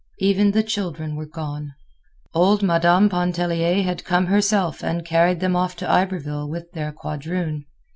Even the children were gone. Old Madame Pontellier had come herself and carried them off to Iberville with their quadroon.